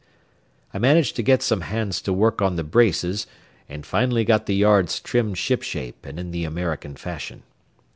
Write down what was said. I managed to get some hands to work on the braces, and finally got the yards trimmed shipshape and in the American fashion.